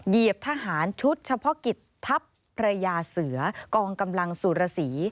เหยียบทหารชุดเฉพาะกิจทัพพระยาเสือกองกำลังสุรสี